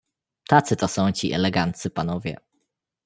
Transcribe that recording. "Tacy to są ci eleganccy panowie."